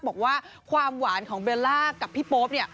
บอกว่าความหวานของเบลล่ากับพี่โป๊ปเนี่ย